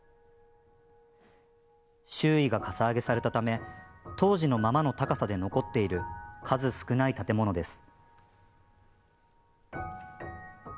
周囲が、かさ上げされたため当時のままの高さで残っている数少ない建物です。